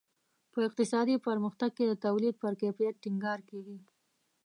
په اقتصادي پرمختګ کې د تولید پر کیفیت ټینګار کیږي.